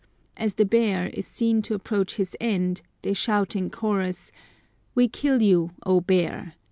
As the bear is seen to approach his end, they shout in chorus, "We kill you, O bear!